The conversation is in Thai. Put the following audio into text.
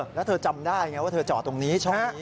เพราะเธอจำได้ไงว่าเธอจอดตรงนี้